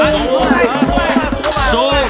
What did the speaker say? อ่ะฟ้าง